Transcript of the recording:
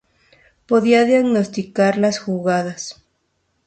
Podía diagnosticar las jugadas.